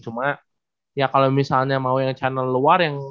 cuma ya kalau misalnya mau yang channel luar yang